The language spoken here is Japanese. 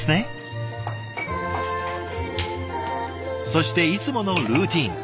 そしていつものルーティン。